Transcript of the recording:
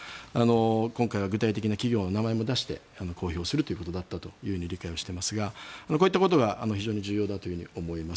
今回は具体的な企業の名前も出して公表するということだったと理解していますがこういったことが非常に重要だと思います。